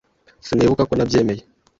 Sinibuka ko nabyemeye.